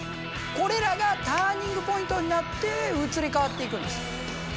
これらがターニングポイントになって移り変わっていくんです！